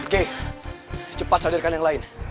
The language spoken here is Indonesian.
keh cepat sadarkan yang lain